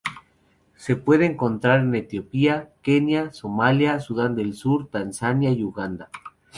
Se puede encontrar en Etiopía, Kenia, Somalia, Sudán del Sur, Tanzania y Uganda.